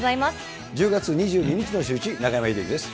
１０月２２日のシューイチ、中山秀征です。